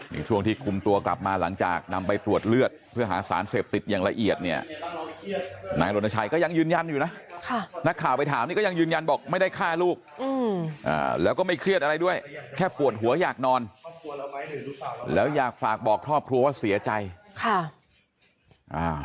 นี่ช่วงที่คุมตัวกลับมาหลังจากนำไปตรวจเลือดเพื่อหาสารเสพติดอย่างละเอียดเนี่ยนายรณชัยก็ยังยืนยันอยู่นะค่ะนักข่าวไปถามนี่ก็ยังยืนยันบอกไม่ได้ฆ่าลูกแล้วก็ไม่เครียดอะไรด้วยแค่ปวดหัวอยากนอนแล้วอยากฝากบอกครอบครัวว่าเสียใจค่ะอ่า